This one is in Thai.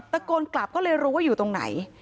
ตะโกนกลับก็เลยรู้ว่าอยู่ตรงไหน